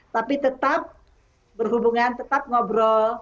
tapi tetap berhubungan tetap ngobrol